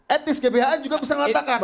etis gbhn juga bisa mengatakan